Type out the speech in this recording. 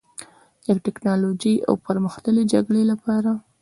د ټیکنالوژۍ او پرمختللې جګړې لپاره